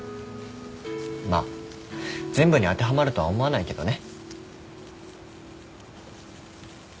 まあ全部に当てはまるとは思わないけどね。